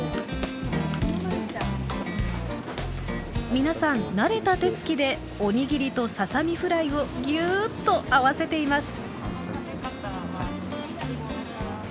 皆さん慣れた手つきでおにぎりとささみフライをぎゅっと合わせています。